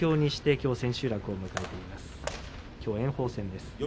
きょうは炎鵬戦です。